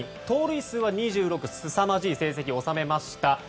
盗塁数は２６すさまじい成績を収めました。